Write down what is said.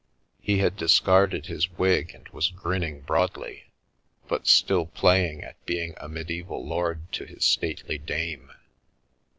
He had discarded his wig and was grinning broadly, but still playing at being a medieval lord to his stately dame.